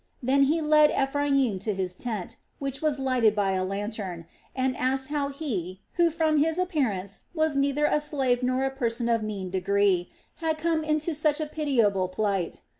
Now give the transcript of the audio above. Then he led Ephraim to his tent, which was lighted by a lantern, and asked how he, who from his appearance was neither a slave nor a person of mean degree, had come into such a pitiable plight.